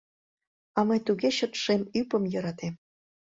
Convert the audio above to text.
— А мый туге чот шем ӱпым йӧратем!